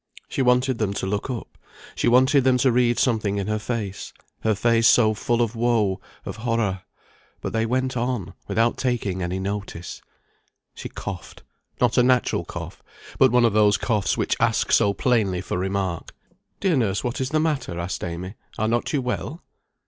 She wanted them to look up. She wanted them to read something in her face her face so full of woe, of horror. But they went on without taking any notice. She coughed; not a natural cough; but one of those coughs which ask so plainly for remark. "Dear nurse, what is the matter?" asked Amy. "Are not you well?"